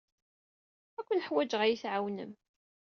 Ad ken-ḥwijeɣ ad iyi-tɛawnem.